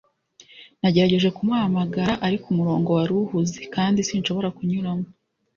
nagerageje kumuhamagara, ariko umurongo wari uhuze, kandi sinshobora kunyuramo